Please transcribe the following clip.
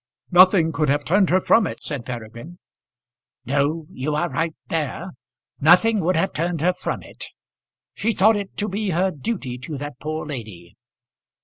"Nothing could have turned her from it," said Peregrine. "No, you are right there. Nothing would have turned her from it. She thought it to be her duty to that poor lady.